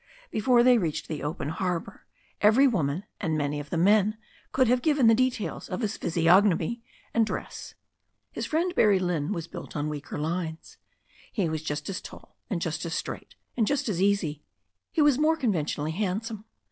Before they reached the open harbour every woman and many of the men could have given the details of his physiogfnomy and dress. His friend Barrie Lynne was built on weaker lines. He was just as tall, and just as straight, and just as easy. He was more conventionally handsome.